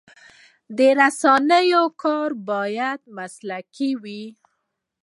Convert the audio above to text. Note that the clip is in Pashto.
د رسنیو کار باید مسلکي وي.